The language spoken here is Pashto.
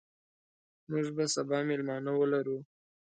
موږ به سبا مېلمانه ولرو.